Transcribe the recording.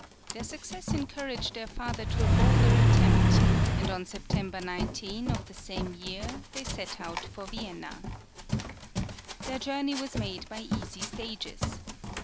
Their success encouraged their father to a bolder attempt, and on September 19, of the same year, they set out for Vienna. Their journey was made by easy stages.